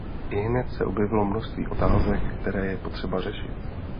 Ihned se objevilo množství otázek, které je potřeba řešit.